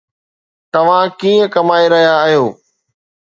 توهان ڪئين ڪمائي رهيا آهيو؟